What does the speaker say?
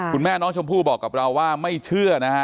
คุณแม่น้องชมพู่บอกกับเราว่าไม่เชื่อนะฮะ